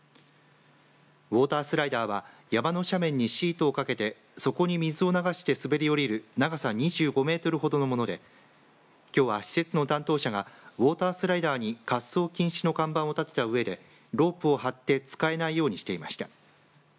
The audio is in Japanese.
ウォータースライダーは山の斜面にシートをかけてそこに水を流して滑り降りる長さ２５メートルほどのものできょうは施設の担当者がウォータースライダーに滑走禁止の看板を立てたうえでロープを張って使えないようにしていました。